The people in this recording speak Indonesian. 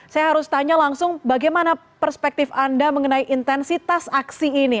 saya harus tanya langsung bagaimana perspektif anda mengenai intensitas aksi ini